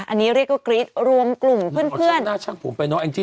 อันนี้เรียกว่าเกรี๊ตรวมกลุ่มเพื่อน